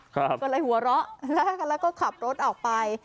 ก็เลยหัวเราะแล้วก็ขับรถออกไป